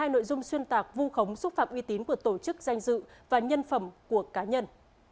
hai nội dung xuyên tạc vu khống xúc phạm uy tín của tổ chức danh dự và nhân phẩm của cá nhân